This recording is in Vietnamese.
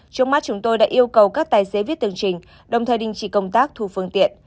trước mắt chúng tôi đã yêu cầu các tài xế viết tường trình đồng thời đình chỉ công tác thu phương tiện